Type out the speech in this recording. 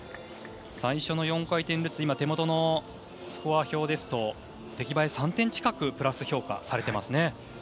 最初の４回転ルッツ手元のスコア表だと出来栄え３点近くプラス評価されています。